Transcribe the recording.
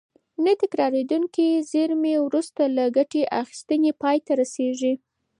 نه تکرارېدونکې زېرمې وروسته له ګټې اخیستنې پای ته رسیږي.